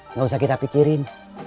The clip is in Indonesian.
nggak usah kita pikirin